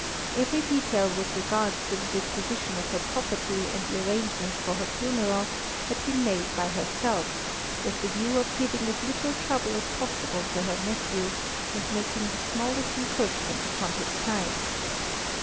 Every detail with regard to the disposition of her property and the arrangements for her funeral had been made by herself, with the view of giving as little trouble as possible to her nephew, and making the smallest encroachment upon his time.